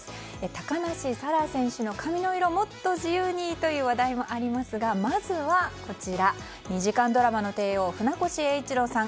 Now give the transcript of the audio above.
高梨沙羅選手の髪の色もっと自由に！という話題もありますがまずは、２時間ドラマの帝王船越英一郎さん